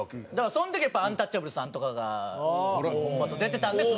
その時はアンタッチャブルさんとかが『オンバト』出てたんです